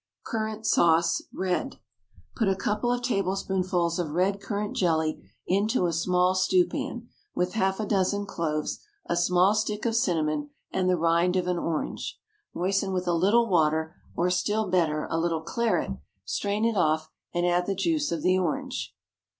CURRANT SAUCE (RED). Put a couple of tablespoonfuls of red currant jelly into a small stew pan, with half a dozen cloves, a small stick of cinnamon, and the rind of an orange. Moisten with a little water, or still better, a little claret, strain it off, and add the juice of the orange.